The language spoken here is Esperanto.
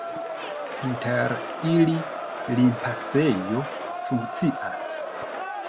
Inter ili limpasejo funkcias.